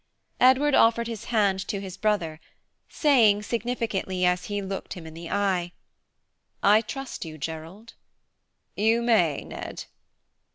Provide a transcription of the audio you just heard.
Edward offered his hand to his brother, saying, significantly, as he looked him in the eye, "I trust you, Gerald." "You may, Ned."